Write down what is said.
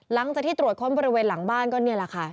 หลังจากที่ตรวจค้นบริเวณหลังบ้านก็นี่แหละค่ะ